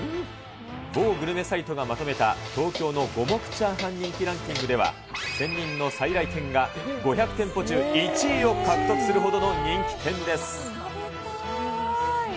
某グルメサイトがまとめた東京の五目チャーハン人気ランキングでは、仙人の菜来軒が５００店舗中１位を獲得するほどの人気店です。